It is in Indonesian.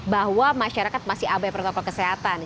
bahwa masyarakat masih abai protokol kesehatan